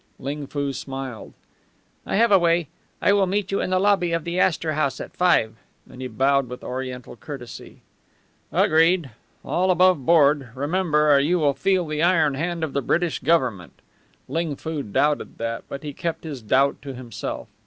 Ling Foo smiled. "I have a way. I will meet you in the lobby of the Astor House at five"; and he bowed with Oriental courtesy. "Agreed. All aboveboard, remember, or you will feel the iron hand of the British Government." Ling Foo doubted that, but he kept this doubt to himself.